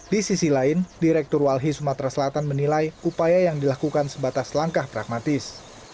di sisi lain direktur walhi sumatera selatan menilai upaya yang dilakukan sebatas langkah pragmatis